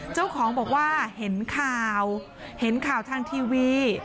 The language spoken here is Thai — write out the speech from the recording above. เจ้าของบอกว่าเห็นข่าวเห็นข่าวทางทีวี